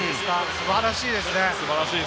素晴らしいですね。